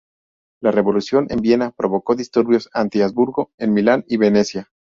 La revolución en Viena provocó disturbios anti-Habsburgo en Milán y Venecia.